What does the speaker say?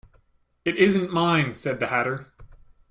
‘It isn’t mine,’ said the Hatter.